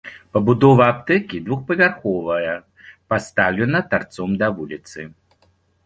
Пабудова аптэкі двухпавярховая, пастаўлена тарцом да вуліцы.